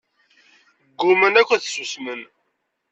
Gguman akk ad ssusmen.